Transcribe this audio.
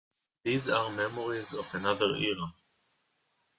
These are memories of another era.